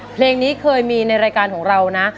เพลงนี้เคยมีในรายการของเรานะ